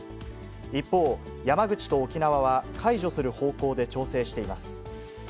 一方、山口と沖縄は解除する方向で調整しています。